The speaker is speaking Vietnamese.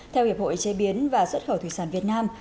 theo hiệp hội chế biến và xuất khẩu thủy sản việt nam